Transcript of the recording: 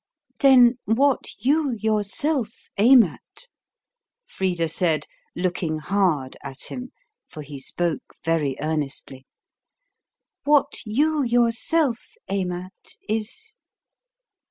"Then what you yourself aim at," Frida said, looking hard at him, for he spoke very earnestly "what you yourself aim at is